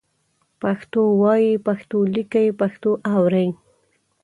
پښتو وایئ، پښتو لیکئ، پښتو اورئ